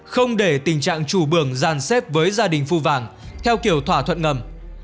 không để tình trạng chủ bường giàn xếp với gia đình phu vàng theo kiểu thỏa thuận ngầm